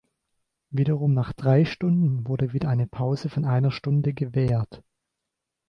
Wiederum nach drei Stunden wurde wieder eine Pause von einer Stunde gewährt.